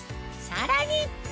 さらに！